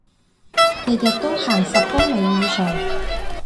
日日都行十公里以上